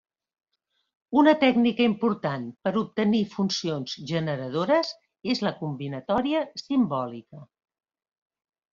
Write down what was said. Una tècnica important per obtenir funcions generadores és la combinatòria simbòlica.